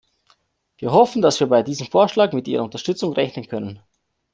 Wir hoffen, dass wir bei diesem Vorschlag mit Ihrer Unterstützung rechnen können.